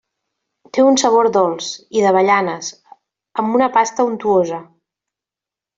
Té un sabor dolç i d'avellanes, amb una pasta untuosa.